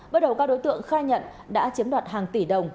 bước đầu các đối tượng khai nhận đã chiếm đoạt hàng tỷ đồng